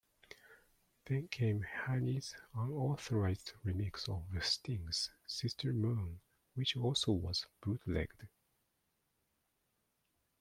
Then came Hani's unauthorized remix of Sting's "Sister Moon" which also was bootlegged.